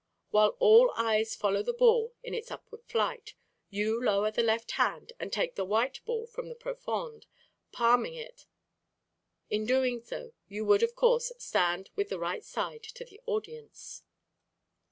While all eyes follow the ball in its upward flight, you lower the left hand and take the white ball from the profonde, palming it. In doing so you would, of course, stand with the right side to the audience.